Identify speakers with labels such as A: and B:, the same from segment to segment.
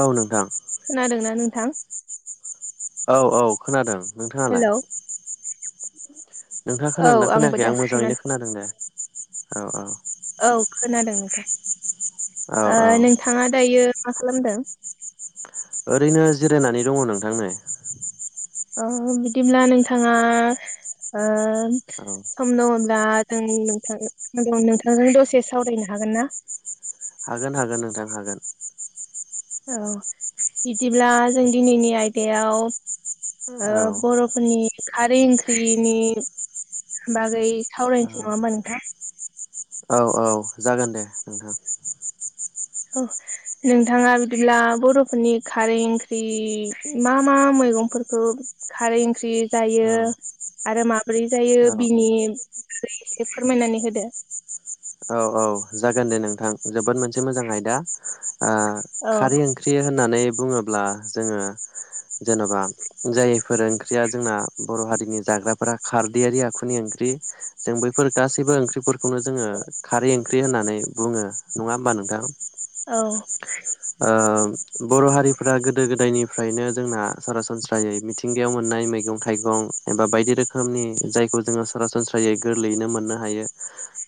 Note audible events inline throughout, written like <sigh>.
A: औ नोंथां
B: खोनादोंना नोंथां?
A: औ औ खोनादों नोंथाङालाय
B: हेलौ
A: नोंथाङा
B: औ
A: खोनादोंना
B: आंबो
A: खोनायाखै आं
B: दासो
A: मोजाङैनो खोनादों दे औ औ
B: औ खोनादों
A: औ औ
B: नोंथां नोंथाङा दायो मा खालामदों
A: ओरैनो जिरायनानै दङ नोंथां
B: अ बिदिब्ला नोंथाङा
A: औ
B: सम दङब्ला जों नोंथां द नोंथांजों दसे सावरायनो हागोन ना?
A: हागोन हागोन नोंथां हागोन
B: औ बिदिब्ला जों दिनैनि आयदायाव
A: औ
B: बर' नि खारै ओंख्रिनि बागै सावरायनोसै
A: औ
B: नङाामा नोंथां
A: औ औ जागोन दे नोंथां
B: <inaudible> नोंथाङा बिदिब्ला बर'फोरनि खारै ओंख्रि मा मा मैगंफोरखौ खारै ओंख्रि
A: औ
B: जायो आरो माब्रोरै जायो
A: औ
B: बिनि एसे फोरमायनानै होदो
A: औ औ जागोन दे नोंथां जोबोद मोनसे मोजां आयदा
B: औ
A: खारै ओं ओंख्रि होननानै बुङोब्ला जोङो जेन'बा जायफोर ओंख्रिया जोंना बर' हारिनि जाग्राफोरा खारदैयारि आखुनि ओंख्रि जों बैफोर गासैबो ओंख्रिफोरखौनो जोङो खारै ओंख्रि होननानै बुङो नङा होमबा नोंथां
B: औ
A: बर' हारिफोरा गोदो गोदायनिफ्रायनो जोंना सरासनस्रायै मिथि मिथिंगायाव मोननाय मैगं थाइगं एबा बायदि रोखोमनि जायखौ जोङो सरासनस्रायै गोरलैयैनो मोननो हायो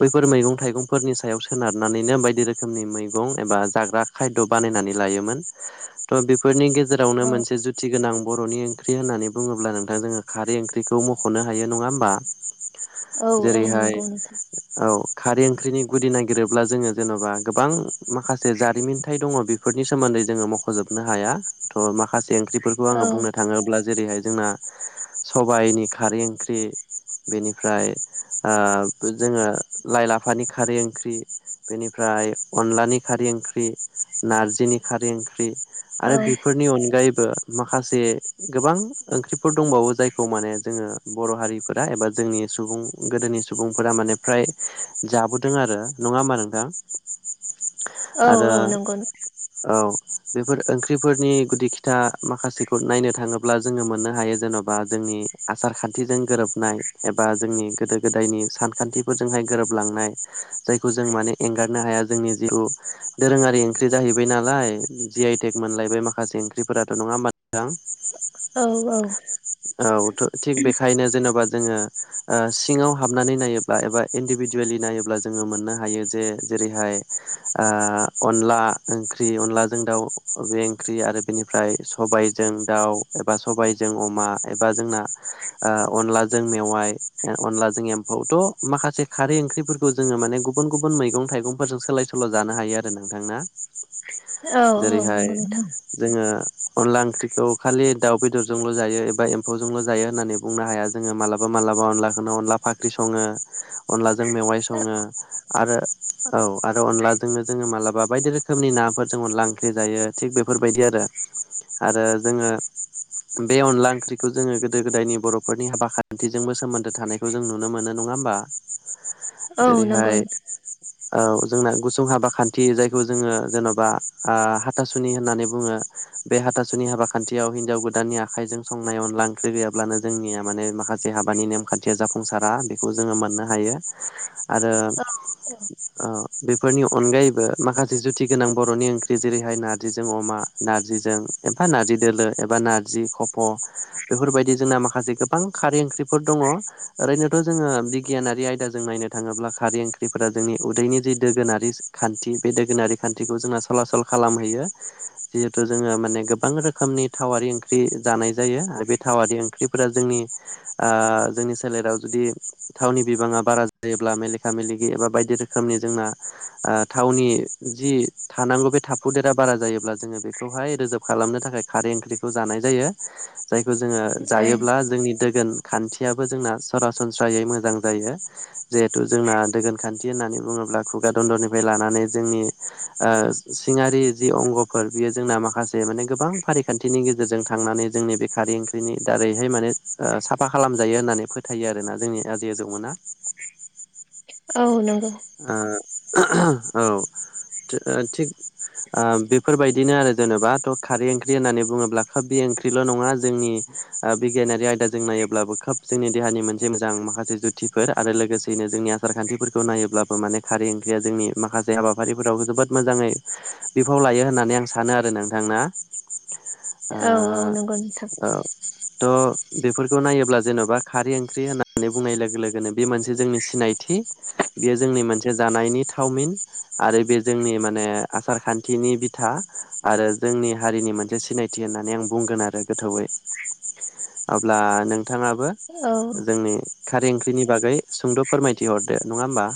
A: बैफोर मैगं थाइगंफोरनि सायाव सोनारनानैनो बायदि रोखोमनि मैगं एबा जाग्रा खाय बानायनानै लायोमोन थ' बेफोरनि गेजेरावनो मोनसे जुथि गोनां बर'निं ओंख्रि होननानै बुङोब्ला नोंथां जोङो खारै ओंख्रिखौ मख'नो हायो नङा होमबा
B: औ औ
A: जेरैहाय
B: नंगौ नोंथां
A: औ खारै ओंख्रिनि गुदि नागिरोब्ला जोङो जेन'बा गोबां माखासे जारिमिन दङ बेफोरनि सोमोन्दै जोङो मख'जोबनो हाया थ' माखासे ओंख्रिफोरखौ
B: औ
A: आङो बुंनो थाङोब्ला जेरैहाय जोंना सबायाइनि खारै ओंख्रि बेनिफ्राय जोङो लाइ लाफानि खारै ओंख्रि बेनिफ्राय अनलानि खारै ओंख्रि नारजिनि खारै ओंख्रि
B: औ
A: आरो बेफोरनि अनगायैबो माखासे गोबां ओंख्रिफोर दंबावो जायखौ माने जोङो बर' हारिफोर एबा जोंनि सुबुं गोदोनि सुबुंफोरा माने फ्राय जाबोदों आरो नङा होमा नोंथां
B: औ
A: आरो
B: औ नंगौ
A: औ बेफोर ओंख्रिफोरनि गुदि खिथा माखासेखौ नायनो थाङोब्ला जोङो मोननो हायो जेन'बा बा जोंनि आसार खान्थिजों गोरोबनाय एबा जोंनि गोदो गोदायनि सानखान्थि फोरजोंहाय गोरोबलांनाय जायखौ जों माने एंगारनो हाया जोंनि जिथु दोरोङारि ओंख्रि जाहैबाय नालाय जि आइटेक मोनलायबाय माखासे ओंख्रिफोराथ' नङा होमबा मोजां
B: औ औ।
A: औथ' थिग बेखायनो जेनेबा जोङो ओ सिङाव हाबनानै नायोब्ला एबा इन्दिभिजुवेलि नायोब्ला जोङो मोननो हायो जे जेरैहाय अनला ओंख्रि अनलाजों दाउ बे ओंख्रि आरो बेनिफ्राय सबायजों दाउ एबा सबायजों अमा एबा जोंना अनलाजों मेवाय अनला जोंनि एम्फौथ' माखासे खारै ओंख्रिफोरखौ जोङो माने गुबुन गुबुन मैगं थाइगंफोरजों सोलाय स सोल' जानो हायो आरो नोंथांना
B: औ औ
A: जेरैहाय
B: नंगौ नोंथां
A: जोङो अनला ओंख्रिखौ खालि दाउ बेदरजोंल' जायो एबा एम्फौजोंल' जायो होननानै बुंनो हाया जोङो मालाबा मालाबा अनलाखौनो अनला फाख्रि सङो। अनलाजों मेवाइ सङो आरो औ आरो अनलाजोंनो जोङो मालाबा बायदि रो रोखोमनि नाफोर जोङो लांख्रि जायो थिग बेफोरबायदि आरो आरो जोङो। बे अनला ओंख्रिखौ जोङो गोदो गोदायनि बर'फोरनि हाबा खान्थिजोंबो सोमोन्दो थानाय बे जों नुनो मोनो नङा होमबा?
B: औ नंगौ
A: जेरैहाय
B: नोंथां
A: जोंना गुसुं हाबा खान्थि जायखौ ज जोङो जेन'बा आ हाथासुनि होननानै बुङो बे हाथासुनि हाबा खान्थियाव हिनजाव गोदाननि आखाइजों संनाय अनला ओंख्रि गैयाब्लानो जोंनिया माने माखासे हाबानि नेमखा न्थिया जाफुंसारा बेखौ जोङो मोननो हायो। आरो
B: औ
A: ओ बेफोरनि अनगायैबो माखा जुथि गोनां बर'नि ओंख्रि जेरैहाय नारजिजों अमा नारजिजों एमफा नारजि दोलो एबा नारजि ख फ बेफोरबाय जों माखासे गोबां खारै ओंख्रिफोर दङ ओरैनोथ' जोङो बिगियानगिरि आयदा जों नायनो थाङोब्ला खारै ओंख्रिफोरा जोंनि उदैनि जि दोगोनारि खान्थि बे दोगोनारि खान्थिखौ जोंना सलासल खालामहैयो जिहेतु जोङो माने गोबां रो खोमनि थावारि ओंख्रि जानाय जायो आरो बे थावारि ओंख्रिफोरा जोंनि ओ जोंनि सोलेराव जुदि थावनि बिबाङा बारा जायोब्ला मेलेखा मेलेगि एबा बायदि रो खोमनि जोंना ओ थावनि जि थानांगौ बे थाफुदेरा बारा जायोब्ला जोङो बेखौहाय रोजाब खालामनो थाखाय खारै ओंख्रिखौ जानाय जायो। जायखौ जोङो
B: औ
A: जायोब्ला जोंनि दोगोन खान्थियाबो जोंना सरासनस्रायै मोजां जायो जिहेथु जोंना दोगोन खान्थि होननानै बुङोब्ला बिगादन्दरनिफ्राय लानानै जोंनि ओ सिङारि जि अंग'फोर बेयो जोंना माखासे माने गोबां फारि खान्थिनि गेजेरजों थांनानै जोंनि बे खारै ओंख्रिनि दारैहाय माने ओ साफा खालामजायो होननानै फो थायो आरोना जोंनि आजि आजौ मोना।
B: औ नंगौ।
A: औ <inaudible> थि-थिग ओ बेफोरबायदिनो आरो जेन'बा थ' खारै ओंख्रि होननानै बुङोब्ला ख बे ओंख्रिल' नङा जोंनि बिगियानारि आयदाजों नायोब्लाबो खोब जोंनि देहानि मोनसे मोजां माखासे जुथिफोर आरो लोगोसेयैनो जोंनिया सारखान्थिफोरखौ नायोब्ला माने खारै ओंख्रिया जोंनि माखासे हाबाफारिफोरावबो जोबोद मोजाङै बिफाव लायो होननानै आं सानो आरो नों थांना ओ
B: औ औ नंगौ नोंथां
A: औ थ' बेफोरखौ नायोब्ला जेन'बा खारै ओंख्रि होननानै बुंनाय लोगो लोगोनो बे मोनसे जोंनि सिनाय थि जोंनि मोनसे जानायनि थावमिन आरो बे जोंनि माने आसार खान्थिनि बिथा । आरो जोंनि हारिनि मोनसे सिनायथि होननानै आं बुंगोन आरो गोथौयै । अब्ला नोंथाङाबो
B: औ
A: जोंनि खारै ओंख्रिनि बागै सुंद' फोरमायथि हरदो नङा होमबा?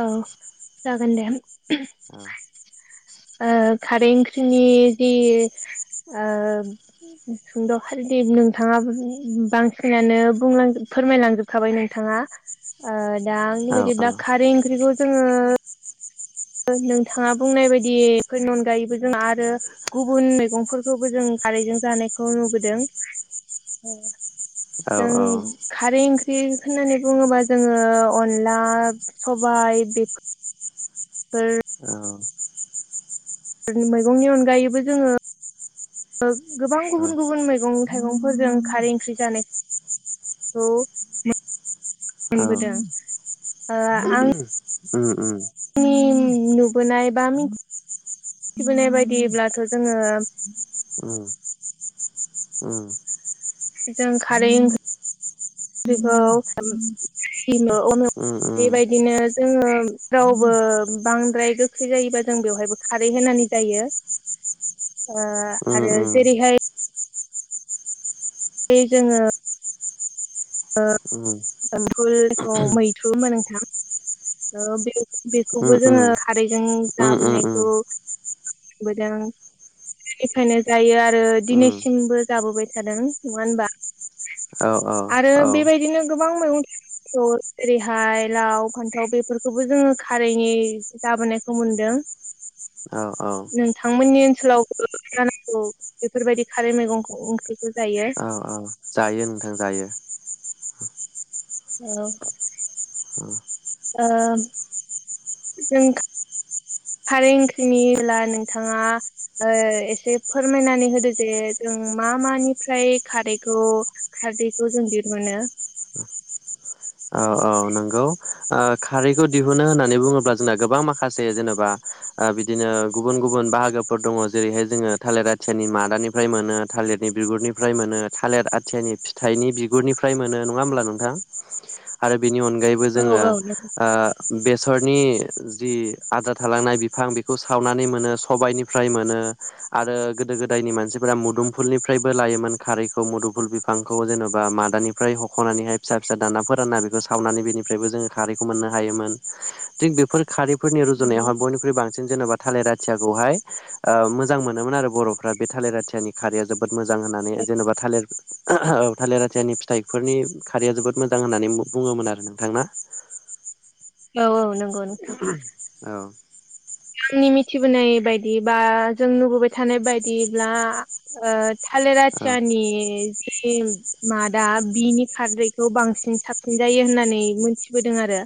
B: औ जागोन दे।
A: औ
B: ओ खारै ओंख्रिनि जि ओ सुंद' खादि नोंथाङा बांसिनानो बुंलांजोब फोरमायलांजोब खाबाय नोंथाङा दा ओ आंनि
A: औ औ
B: बादिब्ला खारै ओंख्रिखौ जोङो नोंथाङा बुंनाय बायदिफोरनि अनगायैबो जों आरो गुबुन मैगंफोरखौबो जों खारैजों जानायखौ नुबोदों।
A: औ
B: जों खारै ओंख्रि होननानै बुङोबा जोङो अनला सबाइ बेखौ फोर
A: औ
B: मैगंनि अनगायैबो जोङो गोबां गुबुन गुबुन मैगं थाइगंफोरजों खारै ओंख्रि जानाय खौ मो
A: औ
B: मोनबोदों
A: <unintelligible> उम उम
B: जोंनि नुबोनाय बा मिथिबोनाय बायदिब्लाथ' जोङो
A: ओम ओम
B: जों खारै ओंख्रि ख्रिखौ <unintelligible>
A: उम
B: बेबायदिनो जोङो रावबो बांद्राय गोखै जायोबा जों बेवहायबो खारै होनानै जायो
A: <inaudible>
B: ओ
A: उम उम
B: आरो जेरैहाय बे जोङो <unintelligible>
A: उम
B: एमफुलखौ <unintelligible> मैथुमोन नोंथां ओ बे बेखौबो जोङो खारैजों
A: उम उम
B: जाबोनायखौ नुबोदों निफ्रायनो जायो आरो
A: उम
B: दिनैसिमबो जाबोबाय थादों नङा होनबा
A: औ औ
B: आरो बेबायदिनो गोबां मैगं थाइ ओेरैहाय लाव फान्थ थाव बेफोरखौबो जोङो खारैनि जाबोनायखौ मोनदों
A: औ औ
B: नोंथांमोननि ओनसोलाव जानांगौ बेफोरबायदि खारै मैगं ओंख्रिखौ जायो
A: औ औ जायो नोंथां जायो
B: औ
A: उम
B: ओ जों खारै ओंख्रिनिब्ला नोंथाङा ओ एसे फोरमायनानै होदो जे जों मा मानिफ्राय खारैखौ खारदैखौ जों दिरुनो
A: औ औ नोंगौ ओ खारैखौ दिहुनो होननानै बुङोब्ला जोंना गोबां माखासे जेनेबा ओ बिदिनो गुबुन गुबुन बाहागोफोर दङ जेरैहाय जोङो थालिर आथियानि मादानि निफ्राय मोनो थालिरनि बिगुरनिफ्राय मोनो थालिर आथियानि फिथाइनि बिगुरनिफ्राय मोनो नङा होमब्ला नोंथां आरो बेनि अनगायैबो
B: औ
A: जोङो
B: औ
A: ओ बेसरनि जि आदार थालांनाय बिफां बेखौ सावनानै मोनो सबायनिफ्राय मोनो आरो गोदो गोदायनि मानसिफोरा मुदुमफुलनिफ्रायबो लायोमोन खारैखौ मुदुमफुल बि बिफांखौ जेनेबा मादानिफ्राय हख'नानैहाय फिसा फिसा दानना फोराना बेखौ सावनानै बेनिफ्रायबो जोङो आरैखौ मोननो होयोमोन खारैफोरनि
B: नंगौ
A: रुजुनायावहा बयनिख्रुय बा जों जेनेबा थालिर आथियाखौहाय ओ मोजां मोनोन आरो बर'फ्रा बे थालिर आथियानि खारिया जोबोद जोबोद मोजां होननानै जेन'बा थालिर <unintelligible> थालिर आथियानि फिथाइफोरनि खारैया जोबोद मोजां होननानै बुङोमोन आरो नोंथांना
B: औ औ नोंग
A: <unintelligible> औ
B: आनि मिथिबोनाय बायदि बा जों नुबोबाय थानाय बायदिब्ला ओ
A: औ
B: थालिराथियानि मादा बिनि खारादैखौ बांसिन साबसिन जायो होननानै मोनथिबोदों आरो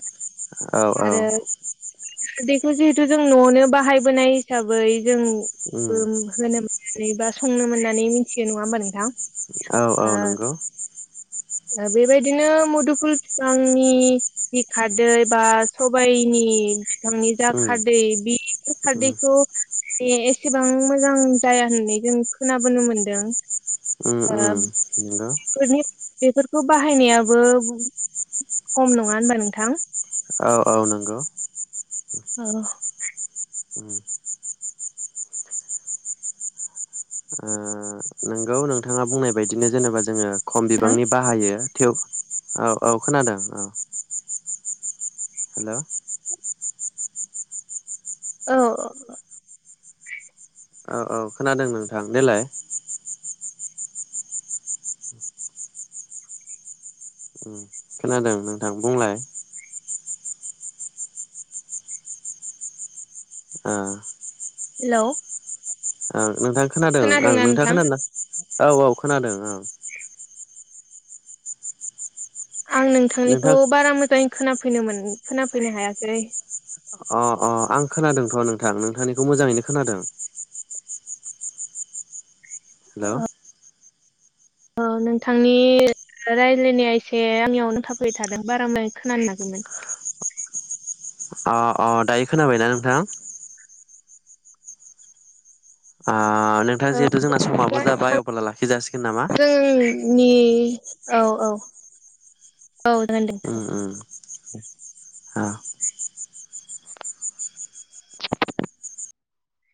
A: औ
B: आरो दिखु जि न'नो बाहायबोनाय हिसाबै जों
A: उम
B: होनो बा संनो मोननानै मिथियो नंङा होमबा नोंथां
A: औ औ
B: ओ
A: नोंगौ
B: ओ बेबायदिनो मुदुफुल फिफांनि बि खारदै बा सबाइनि फिफांनि
A: उम
B: खारदै बि
A: उम
B: खारदैखौ बे एसेबां मोजां जाया होननानै जों खोनाबोनो मोनदों।
A: उम उम नंगौ
B: ओ बेफोरखौ बाहायनायाबो खम नंङा होनबा नोंथां
A: औ औ नंगौ।
B: औ।
A: उम ओ नोंगौ नोंथांङा बुंनाय बायदिनो जेनेबा जोङो खम
B: नोंथां
A: बिबांनि बाहायो। थेव औ औ खोनादों औ। हेल'।
B: औ ।
A: औ औ खोनादों नोंथां देलाय ओम खोनादों नोंथां बुंलाय ओ।
B: हेल'।
A: ओं नोंथां खोनादों ओं नोंथाङा
B: नोंथां
A: खोनादोंना औ औ खोनादों ओं।
B: आं नोंथांनिखौ
A: नोंथां
B: बारा मोजांङै खोनफैनोमोन खोनाफैनो हायासै।
A: अ अ आं खोनादोंथ' नोंथां नोंथांनिखौ मोजांङैनो खोनांदों। हेल'।
B: ओ नोंथांनि ओ रायज्लायनाया एसे आंनियावनो नांथाफैबाय थादों बारा मोखोनानो मोनाखैमोन।
A: अ अ दायो खोनाबायना नोंथांङा। ओ नोंथांङा
B: ओ
A: जिहेथु जोंना
B: दा
A: समाबो जाबाय अबला लाखिज जासिगोन नामा।
B: नि औ औ औ जागोनदे नोंथां।
A: ओम।
B: <inaudible>